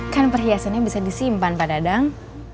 kan perhiasannya bisa disimpan pak dadang